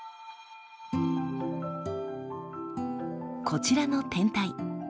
こちらの天体。